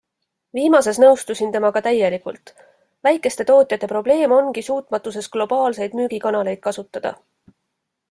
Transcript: Viimases nõustusin temaga täielikult - väikeste tootjate probleem ongi suutmatuses globaalseid müügikanaleid kasutada.